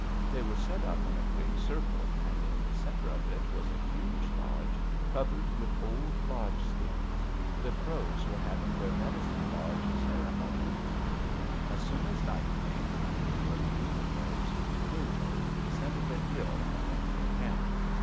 They were set up in a great circle, and in the center of it was a huge lodge covered with old lodge skins: the Crows were having their medicine lodge ceremonies! St. Mary's River. "As soon as night came and before the moon arose, New Robe descended the hill and entered the camp.